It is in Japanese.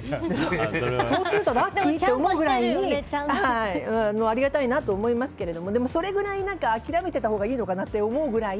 そうするとラッキーって思うくらいありがたいなと思いますけどそれぐらい諦めていたほうがいいと思うぐらい。